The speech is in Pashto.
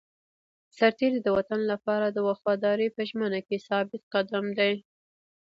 سرتېری د وطن لپاره د وفادارۍ په ژمنه کې ثابت قدم دی.